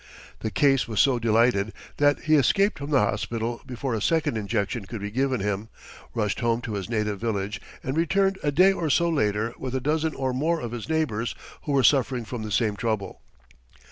The "case" was so delighted that he escaped from the hospital before a second injection could be given him, rushed home to his native village, and returned a day or so later with a dozen or more of his neighbours who were suffering from the same trouble.